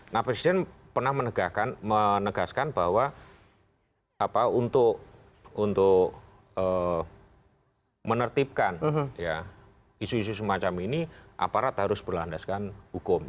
nah presiden pernah menegaskan bahwa untuk menertibkan isu isu semacam ini aparat harus berlandaskan hukum